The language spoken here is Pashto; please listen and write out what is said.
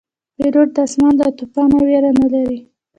پیلوټ د آسمان له توپانه نه ویره نه لري.